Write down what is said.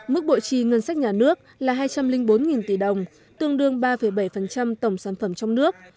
mức bộ trì ngân sách nhà nước là hai trăm linh bốn tỷ đồng tương đương ba bảy tổng sản phẩm trong nước